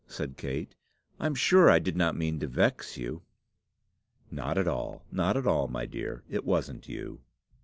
said Kate. "I'm sure I did not mean to vex you." "Not at all, not at all, my dear. It wasn't you."